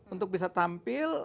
untuk bisa tampil